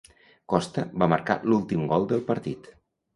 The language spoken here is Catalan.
Costa va marcar l'últim gol del partit.